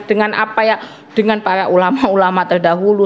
dengan apa ya dengan para ulama ulama terdahulu